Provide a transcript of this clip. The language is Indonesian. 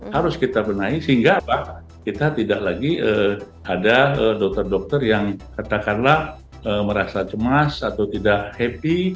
harus kita benahi sehingga kita tidak lagi ada dokter dokter yang katakanlah merasa cemas atau tidak happy